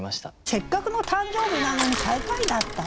せっかくの誕生日なのに最下位だった。